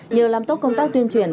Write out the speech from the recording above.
nhờ làm tốt công tác tuyên truyền